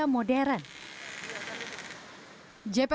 selain itu terdapat atap membran putih bergaya